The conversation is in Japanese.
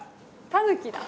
タヌキだ。